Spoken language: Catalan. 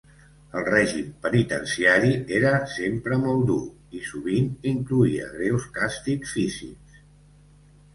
El règim penitenciari era sempre molt dur i sovint incloïa greus càstigs físics.